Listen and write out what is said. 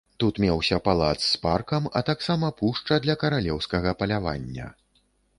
Тут меўся палац з паркам, а таксама пушча для каралеўскага палявання.